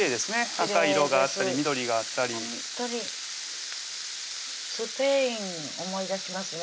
赤い色があったり緑があったりほんとにスペイン思い出しますね